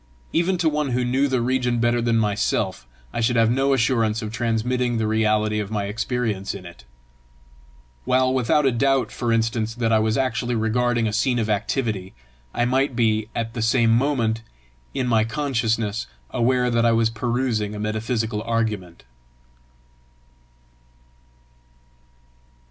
Even to one who knew the region better than myself, I should have no assurance of transmitting the reality of my experience in it. While without a doubt, for instance, that I was actually regarding a scene of activity, I might be, at the same moment, in my consciousness aware that I was perusing a metaphysical argument.